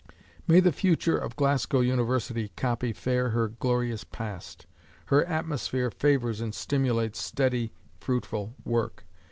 May the future of Glasgow University copy fair her glorious past! Her "atmosphere" favors and stimulates steady, fruitful work.